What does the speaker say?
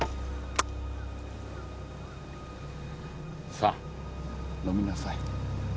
さあ飲みなさい。